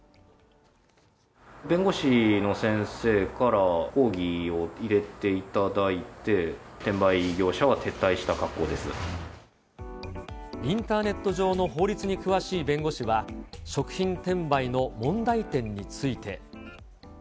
弁護士の先生から抗議を入れていただいて、インターネット上の法律に詳しい弁護士は、食品転売の問題点について。